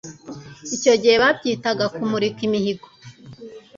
icyo gihe babyitaga kumurika imihigo